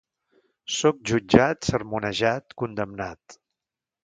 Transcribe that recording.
Sóc jutjat, sermonejat, condemnat.